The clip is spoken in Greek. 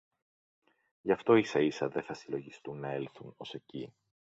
Γι' αυτό ίσα-ίσα δε θα συλλογιστούν να έλθουν ως εκεί